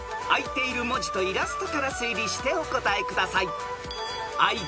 ［開いている文字とイラストから推理してお答えください］